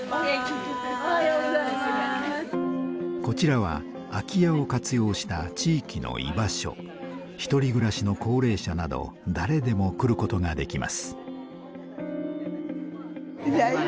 こちらは空き家を活用した１人暮らしの高齢者など誰でも来ることができます。